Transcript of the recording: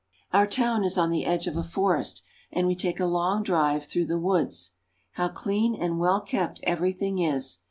Our town is on the edge of a forest, and we take a long drive through the woods. How clean and well kept everything is!